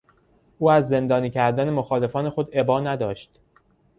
او از زندانی کردن مخالفان خود ابا نداشت.